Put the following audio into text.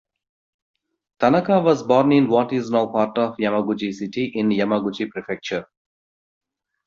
Tanaka was born in what is now part of Yamaguchi city, in Yamaguchi Prefecture.